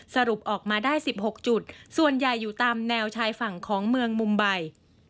สรุปออกมาได้๑๖จุดส่วนใหญ่อยู่ตามแนวชายฝั่งของเมืองมุมใบ